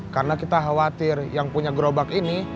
karena kita khawatir yang punya gerobak ini